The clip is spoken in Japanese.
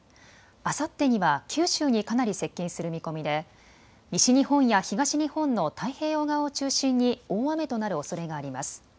あさってには九州にかなり接近する見込みで西日本や東日本の太平洋側を中心に大雨となるおそれがあります。